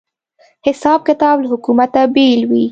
حساب کتاب له حکومته بېل وي